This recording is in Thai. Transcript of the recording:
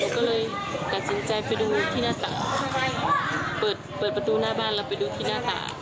ก็เลยตัดสินใจไปดูที่หน้าต่างเปิดประตูหน้าบ้านเราไปดูที่หน้าต่าง